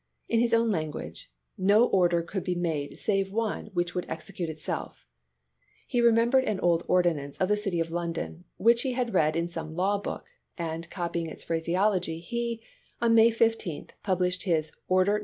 In his own language :" No order could be made save one which would execute itself." He re membered an old ordinance of the City of London, which he had read in some law book, and copying its phraseology he, on May 15, published his "Order No.